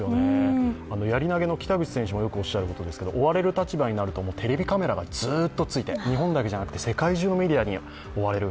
やり投げの北口選手もよくおっしゃることですけれども、追われる立場になるとテレビカメラがずっとついて日本だけじゃなくて世界中のメディアに追われる。